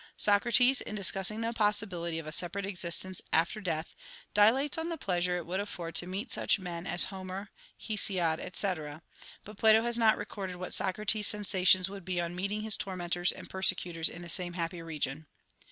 Sokrates, in discussing the possibility of a separate existence after death, dilates on the pleasure it would afford to meet such men as Homer, Hesiod, &c. ; but Plato has not recorded what Sokrates sensations would be on meeting his tormentors and persecutors in the same happy region.